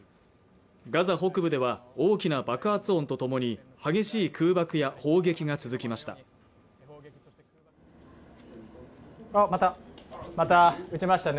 ガザ北部では大きな爆発音とともに激しい空爆や砲撃が続きましたまた打ちましたね